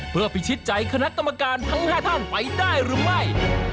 เพื่อพิชิตใจคณะกรรมการทั้ง๕ท่านไปได้หรือไม่